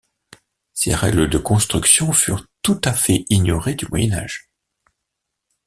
Ces règles de construction furent tout à fait ignorées du Moyen Âge.